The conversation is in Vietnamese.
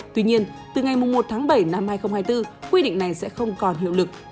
tuy nhiên từ ngày một tháng bảy năm hai nghìn hai mươi bốn quy định này sẽ không còn hiệu lực